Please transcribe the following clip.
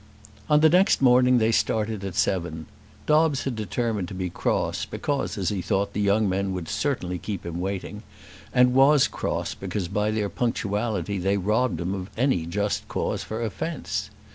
On the next morning they started at seven. Dobbes had determined to be cross, because, as he thought, the young men would certainly keep him waiting; and was cross because by their punctuality they robbed him of any just cause for offence.